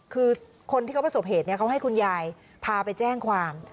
คือคนที่เขาประสบเหตุเขาให้คุณยายพาไปแจ้งความ